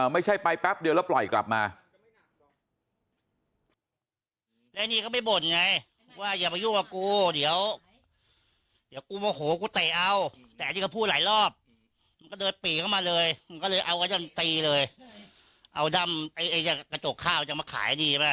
ไม่ใช่ไปแป๊บเดียวแล้วปล่อยกลับมา